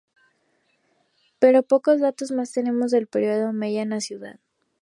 Pero pocos datos más tenemos del periodo Omeya en la ciudad.